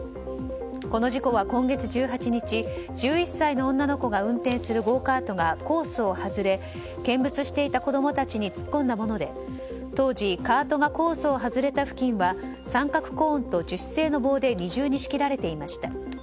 この事故は、今月１８日１１歳の女の子が運転するゴーカートがコースを外れ見物していた子供たちに突っ込んだもので当時、カートがコースを外れた付近は三角コーンと樹脂製の棒で二重に仕切られていました。